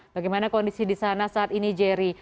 bagaimana kondisi di sana saat ini jerry